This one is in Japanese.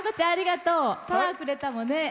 ありがとうね。